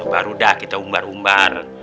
baru dah kita umbar umbar